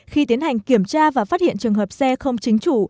khi tiến hành kiểm tra và phát hiện trường hợp xe không chính chủ